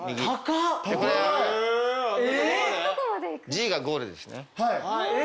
Ｇがゴールですね。